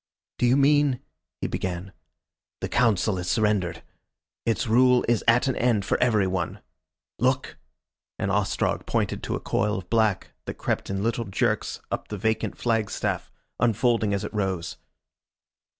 "Do you mean ?" he began. "The Council has surrendered. Its rule is at an end for evermore." "Look!" and Ostrog pointed to a coil of black that crept in little jerks up the vacant flagstaff, unfolding as it rose.